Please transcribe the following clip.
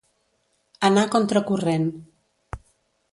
Anar contra corrent.